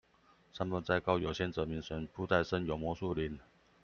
山不在高，有仙則名。水不在深，有魔術靈